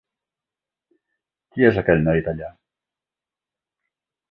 Qui és aquell noi dallà?